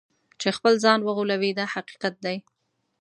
چې خپل ځان وغولوي دا حقیقت دی.